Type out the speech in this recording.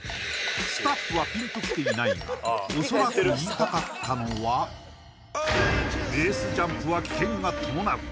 スタッフはピンときていないがおそらく言いたかったのはベースジャンプは危険が伴う